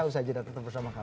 usaha jeda tetap bersama kami